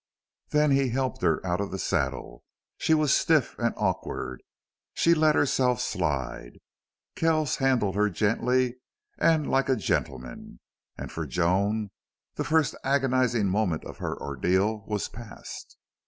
Then he helped her out of the saddle. She was stiff and awkward, and she let herself slide. Kells handled her gently and like a gentleman, and for Joan the first agonizing moment of her ordeal was past.